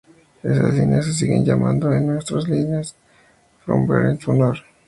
Esas líneas se siguen llamando en nuestros días líneas de Fraunhofer en su honor.